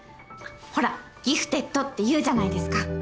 ほらギフテッドっていうじゃないですか。